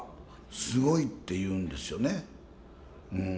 すごいって言うんですよね。